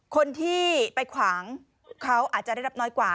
คนที่ไปขวางเขาอาจจะได้รับน้อยกว่า